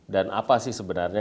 dan apa sih sebenarnya